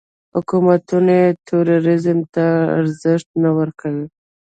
حکومتونه یې ټوریزم ته ارزښت نه ورکوي.